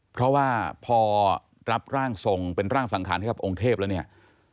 เพราะว่าพอรับร่างทรงเป็นร่างสังขารให้กับองค์เทพแล้วเนี่ย